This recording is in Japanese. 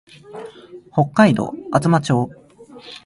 北海道厚真町